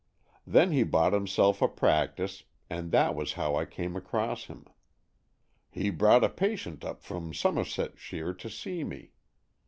Then he bought himself a practice, and that was how I came across him. He brought a patient up from Somersetshire to see me.